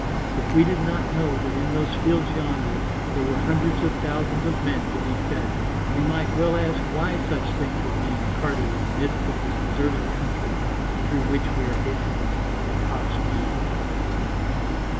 If we did not know that in those fields yonder there were hundreds of thousands of men to be fed we might well ask why such things were being carted in the midst of this deserted country through which we are hastening at top speed.